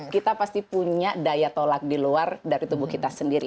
kita pasti punya daya tolak di luar dari tubuh kita sendiri